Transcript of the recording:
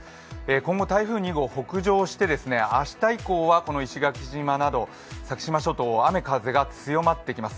今後台風２号北上して、明日以降は石垣島など先島諸島は雨・風が強まってきます。